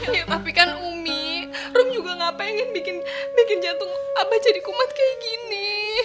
iya tapi kan umi rum juga gak pengen bikin jantung abah jadi kumat kayak gini